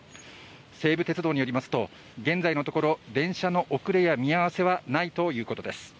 西武鉄道によりますと現在のところ、電車の遅れや見合わせはないということです。